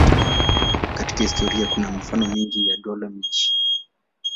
Katika historia kuna mifano mingi ya dola-miji.